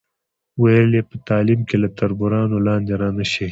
ویل یې په تعلیم کې له تربورانو لاندې را نشئ.